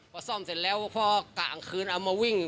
พอซ่อมเสร็จแล้วพอกลางคืนเอามาวิ่ง